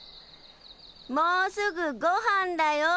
もうすぐごはんだよ！